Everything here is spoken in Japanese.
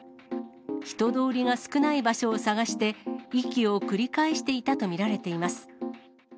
人通りが少ない場所を探して、遺棄を繰り返していたと見られています。